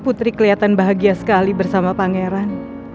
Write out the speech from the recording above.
putri kelihatan bahagia sekali bersama pangeran